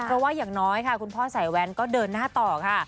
เพราะว่าอย่างน้อยค่ะคุณพ่อสายแว้นก็เดินหน้าต่อค่ะ